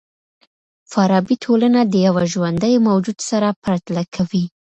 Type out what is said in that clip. فارابي ټولنه د یوه ژوندي موجود سره پرتله کوي.